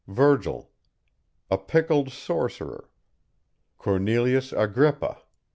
VIRGIL. A PICKLED SORCERER. CORNELIUS AGRIPPA.